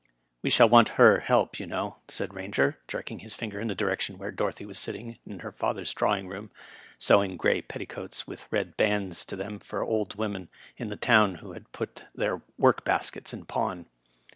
" We shall want Her help, you know," said Eainger, jerking his finger in the direction where Dorothy was sit ting in her father's drawing room, sewing gray petticoats with red bands to them for old women in the town who had put their work baskets in pawn.